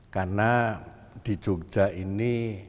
karena di jogja ini